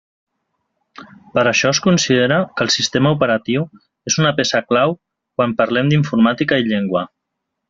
Per això es considera que el sistema operatiu és una peça clau quan parlem d'informàtica i llengua.